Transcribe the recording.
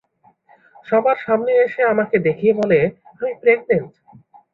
সবার সামনে এসে আমাকে দেখিয়ে বলে " আমি প্রেগ্নেন্ট"।